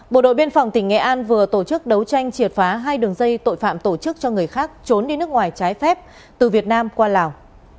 bộ đội biên phòng tỉnh nghệ an vừa tổ chức đấu tranh triệt phá hai đường dây tội phạm tổ chức cho người khác trốn đi nước ngoài trái phép từ việt nam qua lào